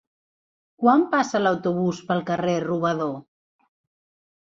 Quan passa l'autobús pel carrer Robador?